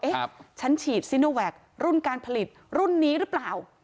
ฉันฉีดซิโนแวครุ่นการผลิตรุ่นนี้หรือเปล่า